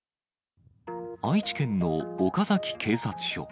愛知県の岡崎警察署。